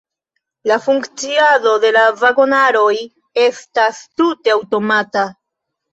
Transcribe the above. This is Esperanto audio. La funkciado de la vagonaroj estas tute aŭtomata.